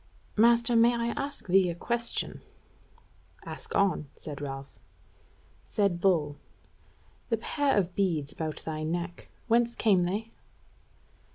Master, may I ask thee a question?" "Ask on," said Ralph. Said Bull: "The pair of beads about thy neck, whence came they?"